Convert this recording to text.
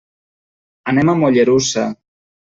Anem a Mollerussa.